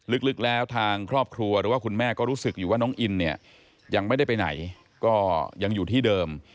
ลึกแล้วทางครอบครัวหรือว่าคุณแม่ก็รู้สึกอยู่ว่าน้องอินเนี่ยยังไม่ได้ไปไหนก็ยังอยู่ที่เดิม